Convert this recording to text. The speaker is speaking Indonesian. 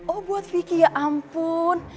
oh buat fikir ya ampun